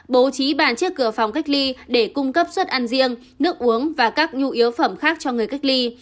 bố trí bàn trước cửa phòng cách ly để cung cấp suất ăn riêng nước uống và các nhu yếu phẩm khác cho người cách ly